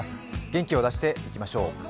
元気を出していきましょう。